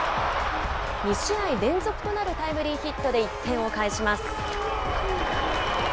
２試合連続となるタイムリーヒットで１点を返します。